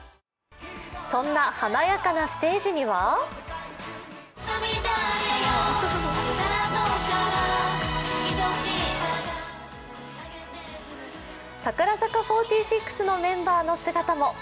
そんな華やかなステージには櫻坂４６のメンバーの姿も。